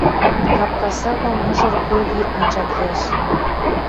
Капка сага мыжыр куги анжат вӓш.